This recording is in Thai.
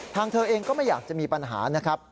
เธอเองก็ไม่อยากจะมีปัญหานะครับ